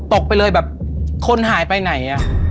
ไปเลยแบบคนหายไปไหนอ่ะ